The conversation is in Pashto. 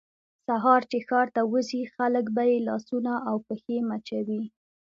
سهار چې ښار ته وځي خلک به یې لاسونه او پښې مچوي.